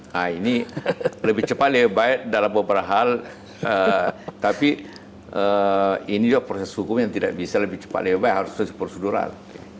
nah ini lebih cepat lebih baik dalam beberapa hal tapi ini juga proses hukum yang tidak bisa lebih cepat lebih baik harus prosedural